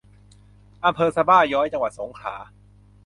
อำเภอสะบ้าย้อย จังหวัดสงขลา